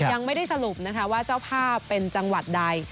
ยังไม่ได้สรุปนะคะว่าเจ้าภาพเป็นจังหวัดใด